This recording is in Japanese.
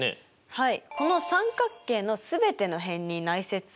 はい。